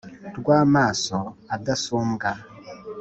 rw’amaso adasumbwa